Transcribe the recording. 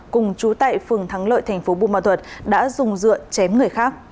cùng chú tại phường thắng lợi tp bù màu thuật đã dùng dựa chém người khác